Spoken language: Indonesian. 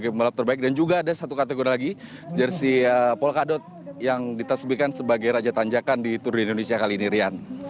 pembalap terbaik dan juga ada satu kategori lagi jersi polkadot yang ditasubikan sebagai raja tanjakan di tour de indonesia kali ini rian